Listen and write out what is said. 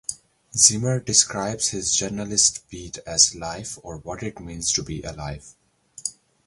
Zimmer describes his journalistic beat as "life" or "what it means to be alive.